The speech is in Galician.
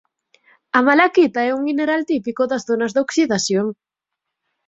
A malaquita é un mineral típico das zonas de oxidación.